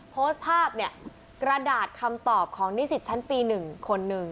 โพสต์ภาพเนี่ยกระดาษคำตอบของนิสิตชั้นปี๑คนหนึ่ง